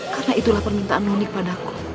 karena itulah permintaan noni kepadaku